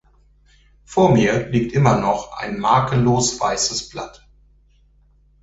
Vor mir liegt immer noch ein makellos weißes Blatt.